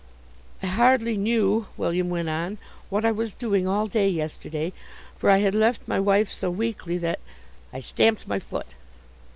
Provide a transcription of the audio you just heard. "I hardly knew," William went on, "what I was doing all day yesterday, for I had left my wife so weakly that " I stamped my foot.